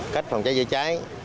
cách phòng cháy trựa cháy